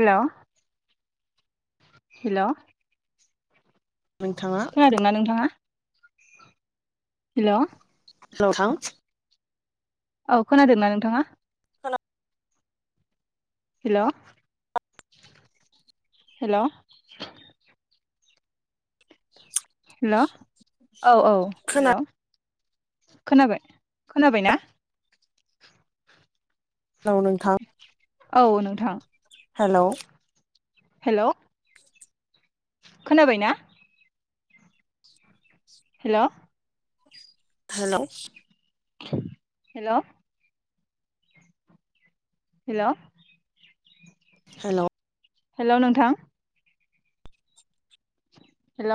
हेल' hello नोंथाङा खोनादोंना नोंथाङा हेल' हेल' थां औ खोनादोंना नोंथाङा हेल' हेल' हेल' औ औ हेल' हेलौ खोनाबाय खोनाबाय ना औ नोंथां औ नोंथां हेल' हेल' खोनाबाय ना? हेल' हेल' हेल' हेल' हेल' हेल' नोंथां हेल'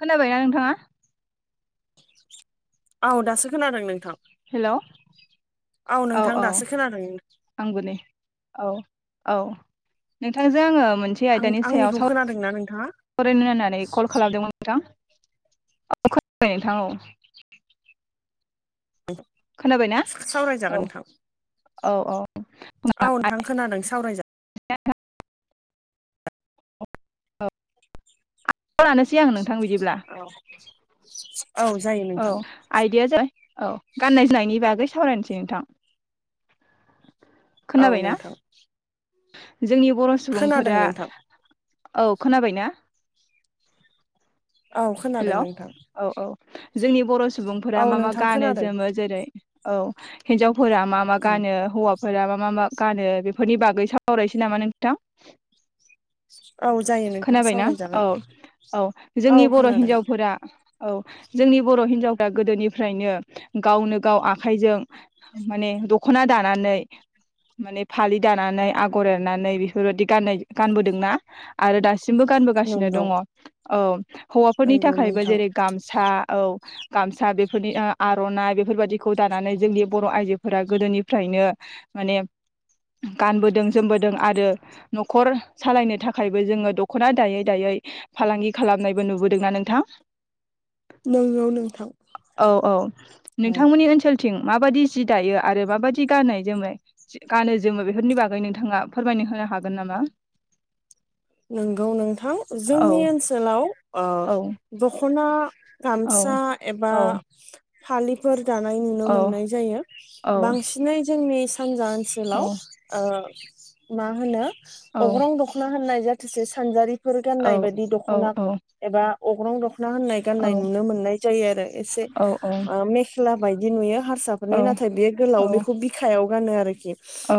खोनाबायना नोंथाङा औ दासो खोनादों नोंथां हेल' औ नोंथां औ दासो खोनादों आंबो नै औ औ नोंथांजों आङो मोनसे आं आयदानि सायाव आंनिखौ खोनादोंना नोंथाङा सावरायनो होननानै कल खालामदोंमोन नोंथां औ खोनाबाय नोंथां औ खोनाबायना सावरायजागोन औ नोंथां औ औ औ नोंथां आयदाखौ खोनादों सावरायजा [unintelligible] लानोसै आंनो औ जायो औ नोंथां आयदाया जाबाय औ गाननाय जोमनायनि बागै सावरायनोसै नोंथां औ खोनाबायना नोंथां जोंनि बर' खोनादों सुबुंफोरा नोंथां औ खोनाबाय ना औ हेल' खोनादों नोंथां औ औ जोंनि बर' औ सुबुंफोरा मा मा नोंथां गानो खोनादों जोमो जेरै औ हिनजाव फोरा मा मा गानो हौवाफोर फोरा मा मा मा गानो बेफोरनि बागै सावरायनोसै नामा नोंथां औ जायो नोंथां खोनाबायना औ सावरायजागोन औ औ जोंनि बर' खोनादों हिन्जावफोरा औ जोंनि बर' हिनजावफ्रा गोदोनिफ्रायनो गावनो गाव आखाइजों माने दख'ना दानानै माने फालि दानानै आगर एरनानै बेफोरबायदि गाननाय गानबोदोंना आरो दासिम दासिमबो गानबोगासिनो नंगौ दङ औ हौवाफोरनि नंगौ थाखायबो नोंथां जेरै गामसा औ गामसा बेफोरनि आर'नाइ बे बेफोरबायदिखौ दानानै जोंनि बर' आइजोफोरा गोदोनिफ्रायनो माने गानबोदों जोमबोदों आरो न'खर सालायनो थाखायबो जोङो दख'ना दायै दायै फालांगि खालामनायबो नुबोदोंना नोंथां नंगौ नोंथां औ औ औ नोंथांमोननि ओनसोल थिं माबायदि जि दायो आरो माबायदि गाननाय जोमनाय गानो जोमो बेफोरनि बागै नोंथाङा फोरमायनो होनो हागोन नामा नंगौ नोंथां औ जोंनि ओनसोलाव दख'ना गामसा एबा फालिफोर दानाय नुनो मोननाय जायो बांसिनै जोंनि सानजा ओनसोलाव मा होनो अग्रं दखना होननाय मासे सानजारिफोर गाननाय बायदि दख'ना एबा अग्रं दखना ना होननाय गाननाय नुनो मोननाय जायो आरो एसे मेखला बायदि नुयो हारसाफोरनि नाथाय बे गोलाव बेखौ बिखायाव गानो आरोखि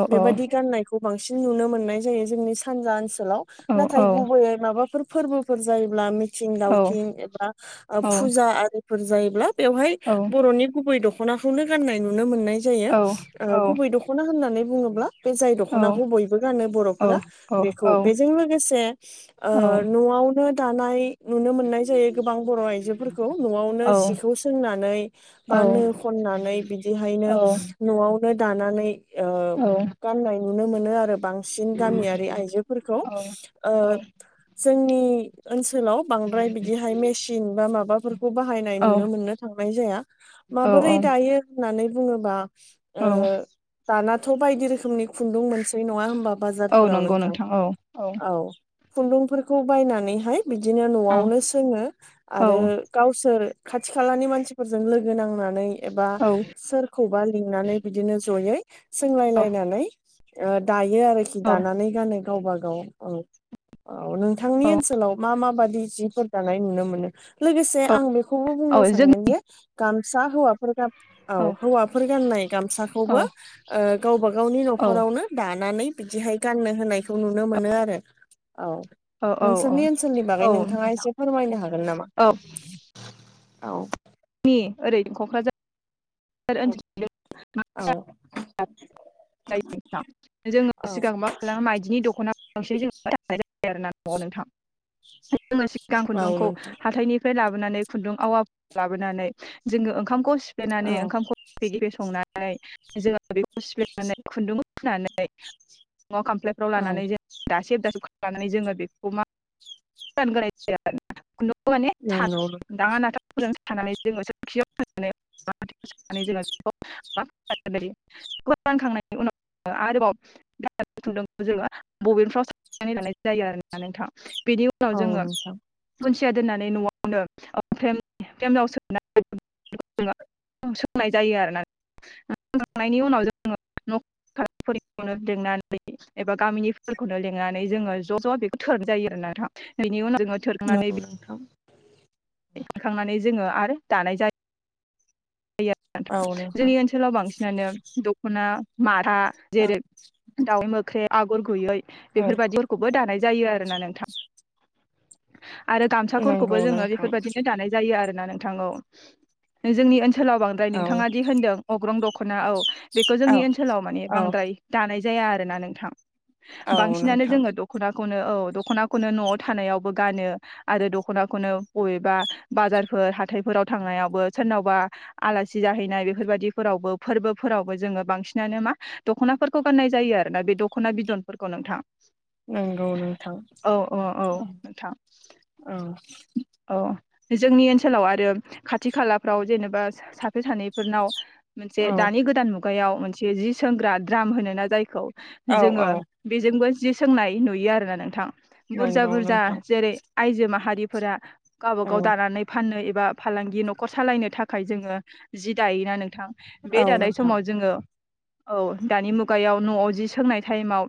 बेबायदि गाननाय खौ बांसिन नुनो मोननाय जायो जोंनि सानजा ओनसोलाव नाथाय गुबैयै माबाफोर फोरबोफोर जायोब्ला मिथिं दावथिं एबा फुजा आरिफोर जायोब्ला बेवहाय बर'नि गुबै दख दख'नाखौनो गाननाय नुनो मोननाय जायो गुबै दख'ना होननानै बुङोब्ला बे जाय दख'नाखौ बयबो गानो औ बर'फोरा बेखौ बेजों लोगो ओ न'आवनो दानाय नुनो मोननाय जायो गोबां बर' आइजोफोरखौ न'आवनो सिखौ सोंनानै बा नो खन नानै बिदिहायनो न'आवनो दानानै गाननाय नुनो मोनो आरो बांसिन गामियारि आइजोफोरखौ ओ औ जोंनि ओनसोलाव बांद्राय बिदिहाय मेसिन बा माबाफोरखौ बाहायनाय नुनो मोननो थांनाय जाया माबोरै दायो होननानै बुङोबा ओ औ दानाथ' बायदि रोखोमनि खुन्दुं मोनसै नङा होमबा औ बाजारफोराव नंगौ नोंथां औ औ खुन्दुंफोरखौ बायनानैहाय बिदिनो औ न'आवनो सोङो औ आरो गावसोर खाथि खालानि मानसिफोरजों लोगो नांनानै एबा औ सोर खौबा लिंनानै बिदिनो जयै सोंलायलायनानै दा यो आरोखि औ जों औ दानानै गानो गावबा गाव औ नोंथांनि ओनसोलाव मा मा बा जिफोर दानाय नुनो मोनो लोगोसे आं बेखौबो बुंनो सानगोन जे गामसा हौवा औ हौवाफोर गाननाय गामसाखौबो गावबा गावनि न'खरावनो दानानै बिदिहाय गाननो होनायखौ नुनो मोनो आरो औ औ औ नोंसोरनि ओनसोलनि बागै औ नोंथाङा नोंथां एसे फोरमायनो हागोन नामा? [inaudible] औ जोंनि ओरै क'क्राझार औ ओनसोलथिं औ जायो नोंथां जोङो सिगां मा खालामो मायदिनि दख'ना गसै जों दानाय आरोना न'आव नोंथां जोङो सिगां औ खुन्दुंखौ नोंथां हाथायनि फ्राय लाबोनानै खुन्दुं आवा लाबोनानै जोङो ओंखामखौ सिफ्लेनानै औ ओंखामखौ गेफे-गेफे संनानै जोङो बेखौ सिफ्लेनानै खुन्दुंआव फुनानै न'आव खामफ्लायफ्राव औ लानानै जों दासब दासेबानानै जोङो बेखौ मा गोदान गाराय जाया आरो खुन्दुं माने थार नंगौ दाङा नाथाफोरजों सानानै जोङो सोरखियाव फाननानै जोङोखौानखांनायनि उनाव [unintelligible] आरोबाव ख ज बबेफ्राव सनानै लानाय जायो आरोोना नोंथाङा बिदि [unintelligible] उनाव औ जोङो नोंथां खन्सिया दोननानै न'आवनो फ्रेम फ्रेमाव सोनानै सोंनाय जायो आरो ना सोंखांनायनि उनाव जोङो [unintelligible] फोरखौनो लिंनानै एबा गामिनिफोरखौनो लिंनानै जोङो ज' ज' बेखौ थोरनाय जायो आरोन थ [unintelligible] बिनि उनाव औ नोंथां खनखांनानै जोङो आरो दानाय जायो औ नोंथां जोंनि ओनसोलाव बांसिनानो दखना मा फा [unintelligible] औ जेरै दाउ [unintelligible] मोख्रे आगर गुयै औ बेफोरबायाददिफोरखौबो दानाय जायो आरोना नोंथां आरो गामसाफोरखौबो नंगौ जोङो नोंथां बेफोरबायदिनो दानाय जायो आरो ना नोंथां औ जोंनि ओनसोलाव फ्राय औ नोंथाङा होनदों अग्रं दख'ना औ बेखौ औ जोंनि ओनसोलाव माने औ बांद्राय दानाय जाया आरोना नोंथां औ बांसिनानो नोंथां जोङो दख'ना खौनो औ दखनानो न'आव थानायावबो गानो आरो दखनाखौनो बबेबा बाजार बो हाथायफोराव थांनायावबो सोरनावबा आलासि जाहैनाय बेफोरबायाददिफोरावबो फोरबोफोरावबो जोङो बांसिनानो मा दख'नाफोरखौ गाननाय जायो आरो ना बे दख'ना बिदनफोरखौ नोंथां नंगौ नोंथां औ औ औ नोंथां औ औ जोंनि ओनसोलाव आरो खाथि खालाफ्राव जेनेबा सासे सानैफोरनाव मोनसे दानि गोदान मुगायाव मोनसे जि सोंग्रा द्राम होनो ना जायखौ औ जोङो औ बेजोंबो जि सोंनाय नुयो आरोना नोंथां बुरजा नंगौ बुरजा नोंथां जेरै आइजो माहारिफोरा गावबा औ गाव दानानै फानोनो ए बा फालांगि न'खर सालायनो थाखाय जोङो जि दायोना नों थां बे औ दादानाय नोंथां समाव जोङो औ दानि मुगायाव न'आव जि सोंनाय टाइमाव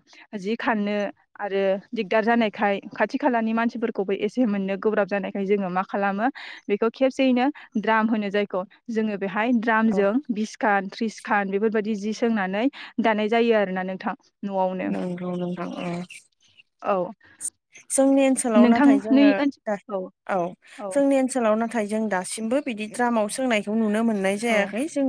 जि खारनो आरो दिगदा र जानायखाय खाथि खालानि मानसिफोरखौबो एसे मोननो गोब्राब जानायखाय जोङो मा खालामो बेखौ खेबसेयैनो द्राम होनो जायखौ जोङो बेहाय औ द्रामजों बिसखान थ्रिसखान बेफोरबायदि जि सोंनानै दानाय जायो आरोना नोंथां। न'आवनो नंगौ नोंथां औ औ जोंनि ओनसोलाव नाथाय नोंथांनि जोङो दा ओनसोल औ औ जोंनि ओनसोलाव नाथाय नाथाय जों दासिमबो बिदि द्रामाव सोंनायखौ नुनो मोन नाय औ जायाखै जों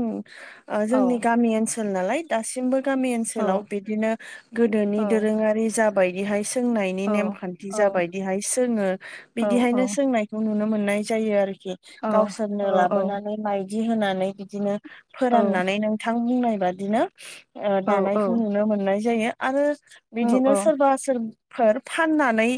ओ औ जोंनि गामि ओनसोल नालाय दासिमबो गामि ओनसोलाव औ बिदिनो गोदोनि औ दोरोङारि जाबायदिहाय सोंनायनि औ नेम दि औ जाबायदिहाय सोङो औ बिदिहायनो सोंनायखौ नुनो मोननाय जायो आरोखि खि औ गावसोरनो औ औ लाबोनानै माइदि होनानै बिदिनो फोराननानै नोंथां बुंनाय बादिनो ओ दानायखौ औ नुनो मोननाय जायो आरो बिदिनो सोरबा सोरफोर फाननानै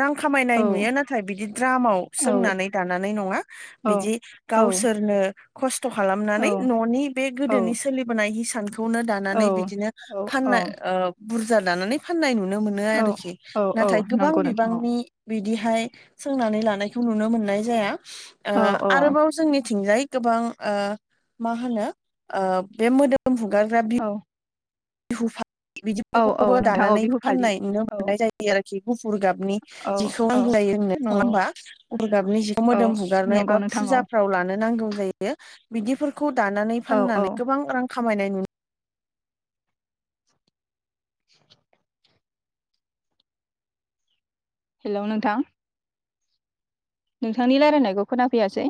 रां खामायनाय औ नुयो नाथाय बिदि द्रामाव औ सोंनानै दानानै नङा औ बिदि औ गावसो रनो खस्थ' खालामनानै औ न'नि बे औ गोदोनि सोलिबोनाय हिस- बेखौनो औ दानानै बिदिनो फाननो औ ओ बुरजा दानानै फाननाय नुनो मोनो औ आरोखि औ औ नाथाय गोबां नंगौ नोंथां बिबांनि औ बिदिहाय सोंनानै लानायखौ नुनो मोननाय जाया औ आरोबाव जोंनि थिंजाय गोबां मा होनो बे मोदोम हुगारग्रा औ बिहुफा औ औ बिदिफोरखौबो नोंथां औ दानानै बिहु फालि फाननाय नुनो औ मोननाय जायो आरोखि गु फुर गाबनि औ जिखौ [unintelligible] औ नङा औ होनबा गुफुर गाबनि जिखौ औ मोदोम हुगारनाय नंगौ एबा नोंथां औ फुजा फ्राव लानो नांगौ जायो बिदिफोरखौ दानानै औ औ फाननानै गोबां रां खामायनाय नु [inaudible] हेल' नोंथां नोंथांनि रायलायनायखौ खोनाफैयासै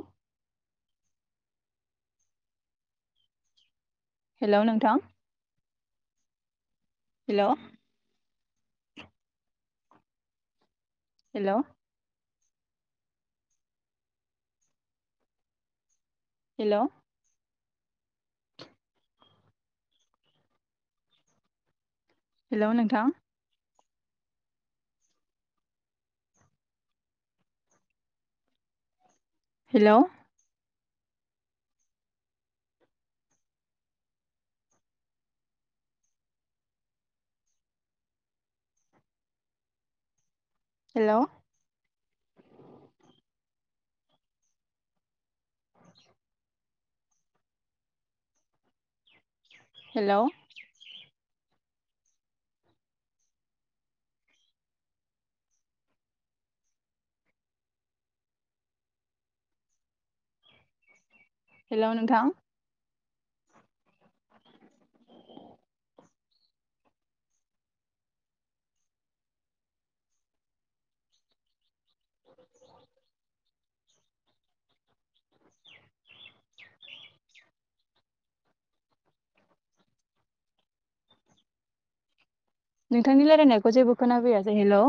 हेल' नोंथां हेल' हेल' हेल' हेल' नोंथां हेल' हेल' [inaudible] [inaudible] हेल' हेल' नोंथां [inaudible] [inaudible] नोंथांनि रायलायनायखौ जेबो खोनाबफैयासै हेल'